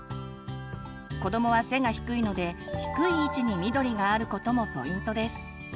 子どもは背が低いので低い位置に緑があることもポイントです。